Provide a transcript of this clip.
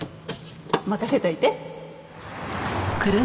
任せといて。